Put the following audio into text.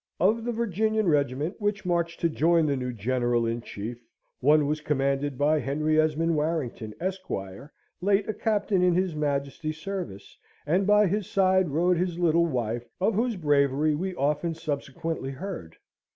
Of the Virginian regiment which marched to join the new General in Chief, one was commanded by Henry Esmond Warrington, Esq., late a Captain in his Majesty's service; and by his side rode his little wife, of whose bravery we often subsequently heard.